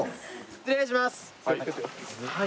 失礼します。